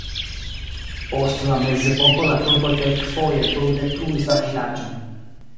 Post la mezepoko la turkoj kelkfoje bruldetruis la vilaĝon.